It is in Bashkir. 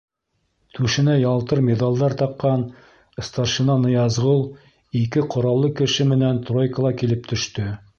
Түшенә ялтыр миҙалдар таҡҡан старшина Ныязғол ике ҡораллы кеше менән тройкала килеп төштө.